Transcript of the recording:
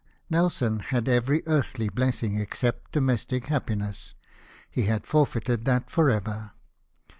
Nelson had every earthly blessing except domestic happiness, he had forfeited that for ever.